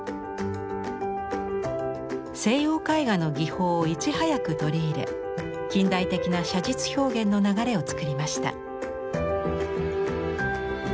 西洋絵画の技法をいち早く取り入れ近代的な写実表現の流れを作りました。